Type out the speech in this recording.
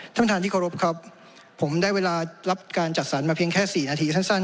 ท่านประธานที่เคารพครับผมได้เวลารับการจัดสรรมาเพียงแค่๔นาทีสั้น